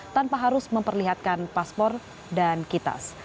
tanpa harus memperlihatkan paspor dan kitas